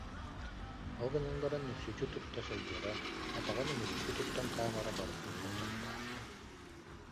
Ол гынан баран нүксүччү тутта сылдьара, атаҕын үмүрүччү туттан хаамара барытын сотон таһаарар